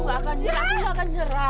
aku gak akan nyerah